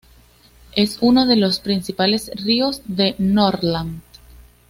Es uno de los principales ríos de Norrland.